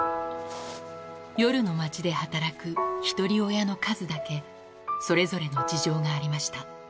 夜の街で働くひとり親の数だけ、それぞれの事情がありました。